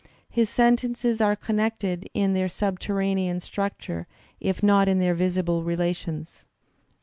His sentences are connected in their subterranean structure if not in their visible rela tions.